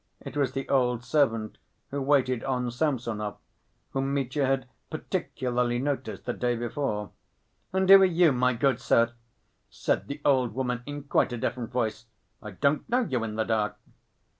It was the old servant who waited on Samsonov, whom Mitya had particularly noticed the day before. "And who are you, my good sir?" said the old woman, in quite a different voice. "I don't know you in the dark."